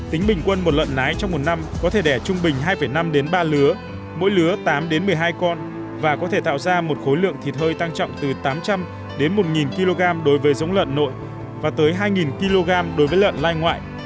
tính bình quân một lợn nái trong một năm có thể đẻ trung bình hai năm ba lứa mỗi lứa tám một mươi hai con và có thể tạo ra một khối lượng thịt hơi tăng trọng từ tám trăm linh đến một kg đối với giống lợn nội và tới hai kg đối với lợn lai ngoại